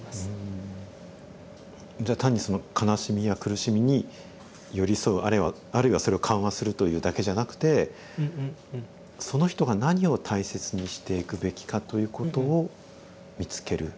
じゃあ単にその悲しみや苦しみに寄り添うあるいはそれを緩和するというだけじゃなくてその人が何を大切にしていくべきかということを見つける。